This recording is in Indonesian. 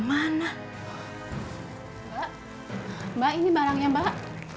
mbak mbak ini barangnya mbak